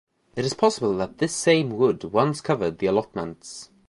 It is possible that this same wood once covered the allotments.